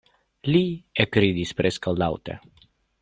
Li ekridis preskaŭ laŭte.